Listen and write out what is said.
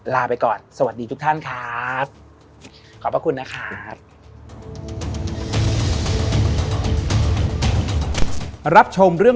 ลาไปก่อนสวัสดีทุกท่านครับ